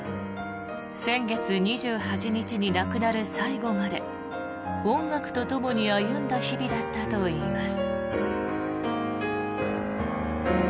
先月２８日に亡くなる最後まで音楽とともに歩んだ日々だったといいます。